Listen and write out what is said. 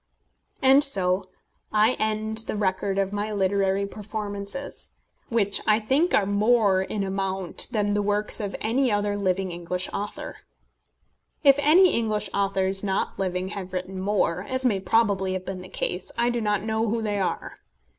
] And so I end the record of my literary performances, which I think are more in amount than the works of any other living English author. If any English authors not living have written more as may probably have been the case I do not know who they are.